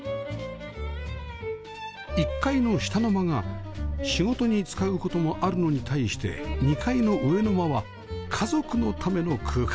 １階の下の間が仕事に使う事もあるのに対して２階の上の間は家族のための空間